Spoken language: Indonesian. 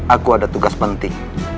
aku ada tugas penting